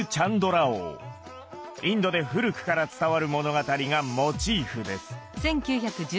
インドで古くから伝わる物語がモチーフです。